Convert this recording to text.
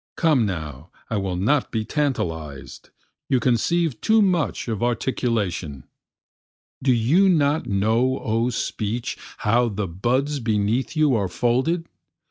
Come now I will not be tantalized, you conceive too much of articulation, Do you not know O speech how the buds beneath you are folded?